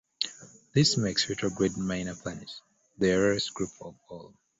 This makes retrograde minor planets the rarest group of all.